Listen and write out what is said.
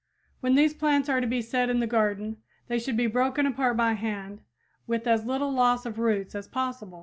When these plants are to be set in the garden they should be broken apart by hand with as little loss of roots as possible.